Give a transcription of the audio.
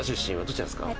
どちらですか？